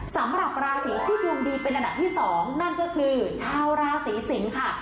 สำหรับราศีที่ดวงดีเป็นอันดับที่๒นั่นก็คือชาวราศีสิงค่ะ